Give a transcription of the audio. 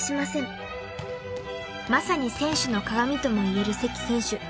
［まさに選手の鑑ともいえる関選手］